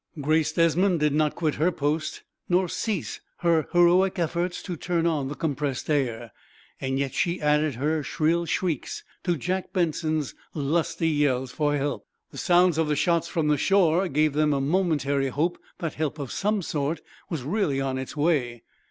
Grace Desmond did not quit her post, nor cease her heroic efforts to turn on the compressed air. Yet she added her shrill shrieks to Jack Benson's lusty yells for help. The sounds of the shots from the shore gave them a momentary hope that help of some sort was really on its way.